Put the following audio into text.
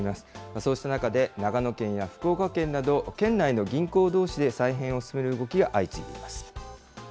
そうした中で、長野県や福岡県など、県内の銀行どうしで再編を進める動きが相次いでいます。